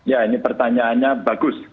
ya ini pertanyaannya bagus